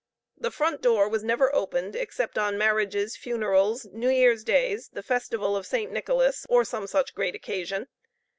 The front door was never opened except on marriages, funerals, new year's days, the festival of St. Nicholas, or some such great occasion.